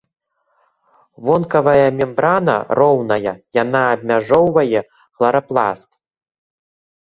Вонкавая мембрана роўная, яна абмяжоўвае хларапласт.